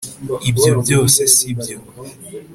Ibyo byose si byo